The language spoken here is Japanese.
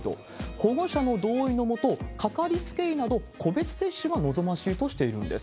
保護者の同意の下、掛かりつけ医など個別接種が望ましいとしているんです。